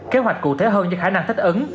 kế hoạch cụ thể hơn cho khả năng thích ứng